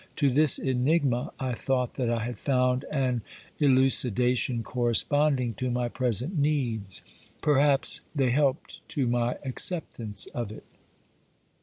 To this enigma I thought that I had found an elucidation corresponding to my present needs ; perhaps they helped to my acceptance of it.